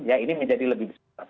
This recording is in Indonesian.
ya ini menjadi lebih besar